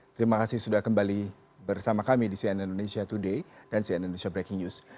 terima kasih sudah kembali bersama kami di cnn indonesia today dan cnn indonesia breaking news